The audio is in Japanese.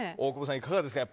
いかがですか。